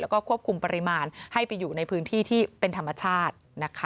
แล้วก็ควบคุมปริมาณให้ไปอยู่ในพื้นที่ที่เป็นธรรมชาตินะคะ